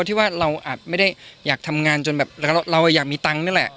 ที่ว่าเราอาจไม่ได้อยากทำงานจนแบบเราอยากมีตังค์นี่แหละ